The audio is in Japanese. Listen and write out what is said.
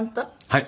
はい。